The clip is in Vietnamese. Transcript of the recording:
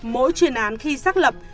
mỗi chuyên án khi xác lập